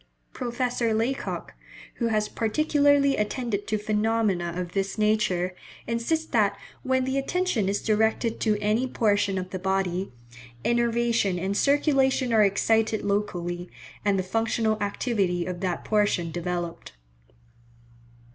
Professor Laycock, who has particularly attended to phenomena of this nature, insists that "when the attention is directed to any portion of the body, innervation and circulation are excited locally, and the functional activity of that portion developed."